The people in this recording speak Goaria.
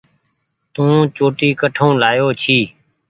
تو چوٽي ڪٺو لآيو ڇي۔